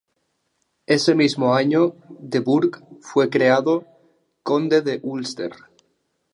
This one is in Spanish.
Ese mismo año De Burgh fue creado conde de Ulster.